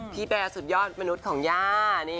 พี่แบร์รี่สุดยอดมนุษย์ของย่า